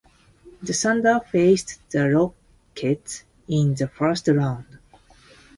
The Thunder faced the Rockets in the First Round.